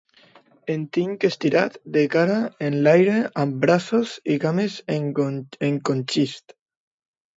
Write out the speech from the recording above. El tinc estirat de cara enlaire amb braços i cames encongits.